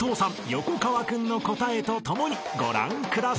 横川君の答えとともにご覧ください］